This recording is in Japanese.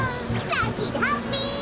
ラッキーでハッピー！